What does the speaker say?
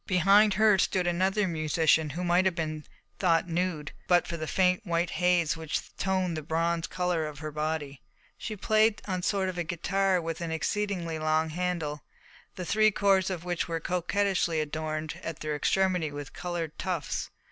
Behind her stood another musician, who might have been thought nude but for the faint white haze which toned the bronze colour of her body. She played on a sort of guitar with an exceedingly long handle, the three cords of which were coquettishly adorned at their extremity with coloured tufts.